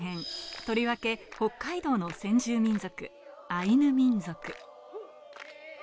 とりわけ北海道の先住民族アイヌ民族。